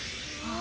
あ。